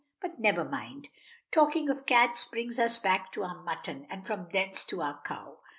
But never mind. Talking of cats brings us back to our mutton, and from thence to our cow.